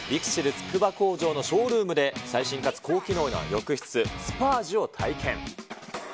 筑波工場のショールームで、最新かつ高機能な浴室、スパージュを体験。